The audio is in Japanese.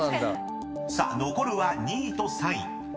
［さあ残るは２位と３位］